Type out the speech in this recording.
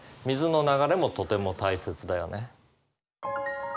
水の流れもとても大切だよね。